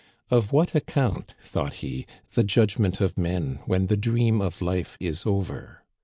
Of what account, thought he, the judgment of men when the dream of life is over?